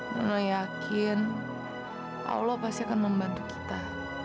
menu yakin allah pasti akan membantu kita